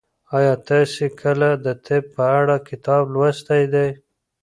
ایا تاسي کله د طب په اړه کتاب لوستی دی؟